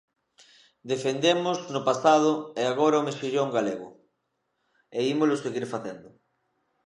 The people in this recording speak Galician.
Defendemos no pasado e agora o mexillón galego, e ímolo seguir facendo.